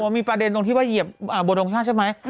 มีประเด็นตรงที่ว่าเหยียบบนทรงชาติใช่ไหม